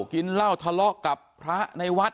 ทะเลาะกับพระในวัด